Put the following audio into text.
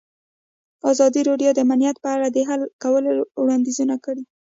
ازادي راډیو د امنیت په اړه د حل کولو لپاره وړاندیزونه کړي.